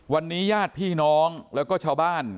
วันนี้ญาติพี่น้องแล้วก็ชาวบ้าน